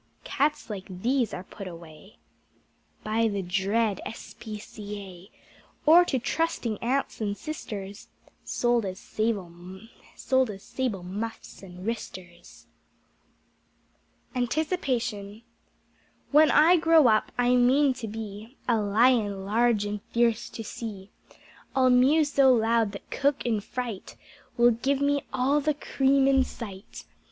Cats like these are put away By the dread S. P. C. A., Or to trusting Aunts and Sisters Sold as Sable Muffs and Wristers. Anticipation When I grow up I mean to be A Lion large and fierce to see. I'll mew so loud that Cook in fright Will give me all the cream in sight.